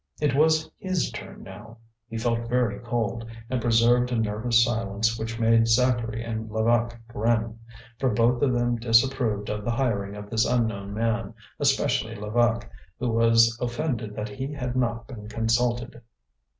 It was his turn now. He felt very cold, and preserved a nervous silence which made Zacharie and Levaque grin; for both of them disapproved of the hiring of this unknown man, especially Levaque, who was offended that he had not been consulted.